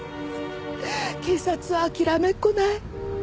警察は諦めっこない。